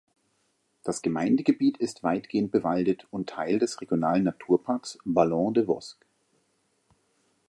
Das Gemeindegebiet ist weitgehend bewaldet und Teil des Regionalen Naturparks Ballons des Vosges.